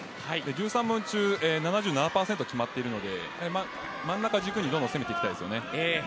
１３本中７７％が決まっているので真ん中を軸にどんどん攻めていきたいです。